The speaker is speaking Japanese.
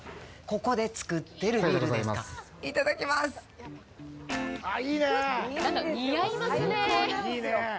ここで造ってるビールですか。